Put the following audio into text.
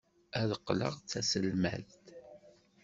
Ad qqleɣ d taselmadt.